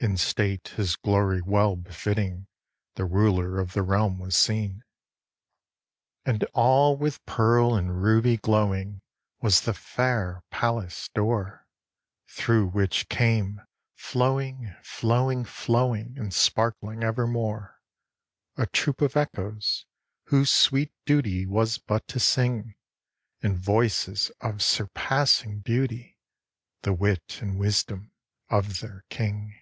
In state his glory well befitting, The ruler of the realm was seen. And all with pearl and ruby glowing Was the fair palace door, Through which came flowing, flowing, flowing, And sparkling evermore, A troop of Echoes, whose sweet duty Was but to sing, In voices of surpassing beauty, The wit and wisdom of their king.